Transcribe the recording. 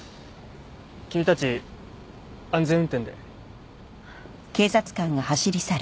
君たち安全運転で。